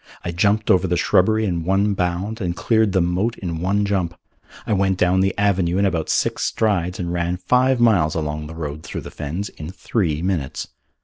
I jumped over the shrubbery in one bound and cleared the moat in one jump. I went down the avenue in about six strides and ran five miles along the road through the fens in three minutes.